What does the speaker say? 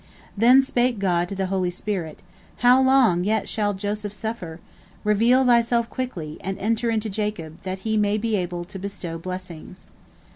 Then spake God to the holy spirit: "How long yet shall Joseph suffer? Reveal thyself quickly, and enter into Jacob, that he may be able to bestow blessings."